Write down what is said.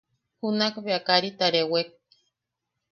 Junakbea karita rewek.